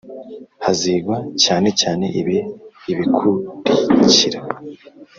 Hazigwa cyane cyane ibi ibikurikira